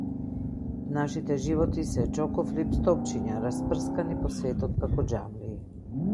Нашите животи се чоко флипс топчиња, распрскани по светот ко џамлии.